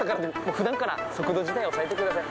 ふだんから速度自体、抑えてください。